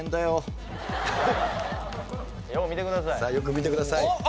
よう見てください。